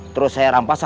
terus saya rampas hpnya